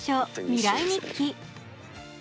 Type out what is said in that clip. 「未来日記」。